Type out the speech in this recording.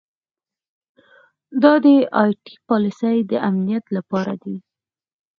دا ائ ټي پالیسۍ د امنیت لپاره دي.